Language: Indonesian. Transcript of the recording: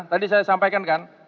tadi saya sampaikan kan